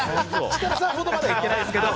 設楽さんほどまではいってないですけど。